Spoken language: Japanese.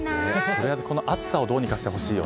とりあえずこの暑さをどうにかしてほしいです。